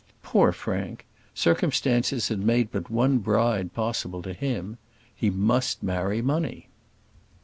Poor Frank! circumstances had made but one bride possible to him: he must marry money.